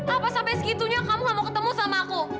apa sampai segitunya kamu gak mau ketemu sama aku